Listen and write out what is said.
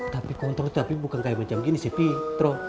tapi kontrol itu bukan kayak macam gini sih pih